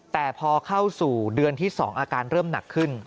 แต่พอเข้าสู่เดือนที่๒อาการเริ่มหนักขึ้น